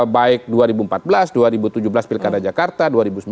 baik dua ribu empat belas dua ribu tujuh belas pilkada jakarta dua ribu sembilan belas